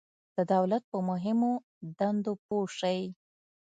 د دولت په مهمو دندو پوه شئ.